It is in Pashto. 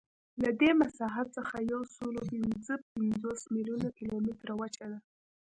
له دې مساحت څخه یوسلاوهپینځهپنځوس میلیونه کیلومتره وچه ده.